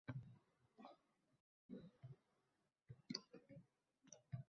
Toshkent triatlon bo‘yicha nufuzli musobaqani qarshilamoqda